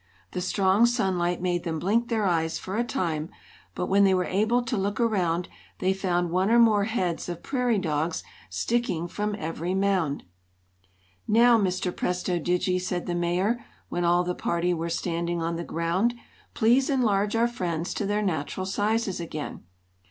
The strong sunlight made them blink their eyes for a time, but when they were able to look around they found one or more heads of prairie dogs sticking from every mound. "Now, Mr. Presto Digi," said the Mayor, when all the party were standing on the ground, "please enlarge our friends to their natural sizes again."